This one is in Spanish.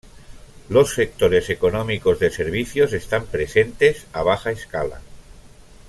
Los sectores económicos de servicios están presentes a baja escala.